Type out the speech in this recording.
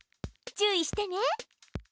注意してね！